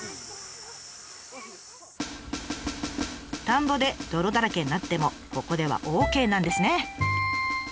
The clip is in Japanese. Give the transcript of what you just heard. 田んぼで泥だらけになってもここではＯＫなんですね。